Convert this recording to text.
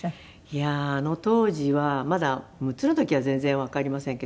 いやーあの当時はまだ６つの時は全然わかりませんけど。